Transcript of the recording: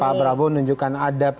pak prabowo nunjukkan adab